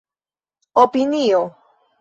opinio